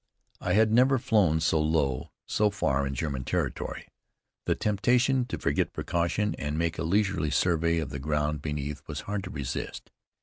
I had never flown so low, so far in German territory. The temptation to forget precaution and to make a leisurely survey of the ground beneath was hard to resist.